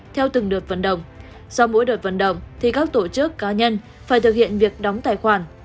theo từng đợt vận động sau mỗi đợt vận động thì các tổ chức cá nhân phải thực hiện việc đóng tài khoản